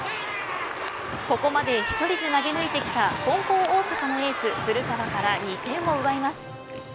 ここまで１人で投げ抜いてきた金光大阪のエース、古川から２点を奪います。